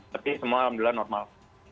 tapi semua alhamdulillah normal